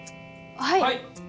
はい！